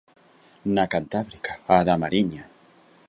Na cantábrica, a da Mariña.